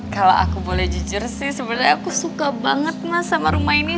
kalau aku boleh jujur sih sebenarnya aku suka banget mas sama rumah ini